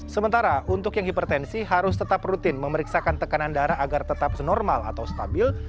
sementara untuk yang hipertensi harus tetap rutin memeriksakan tekanan darah agar tetap senormal atau stabil